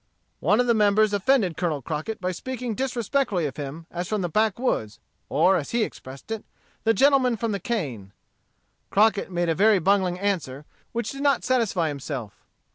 One of the members offended Colonel Crockett by speaking disrespectfully of him as from the back woods, or, as he expressed it, the gentleman from the cane. Crockett made a very bungling answer, which did not satisfy himself.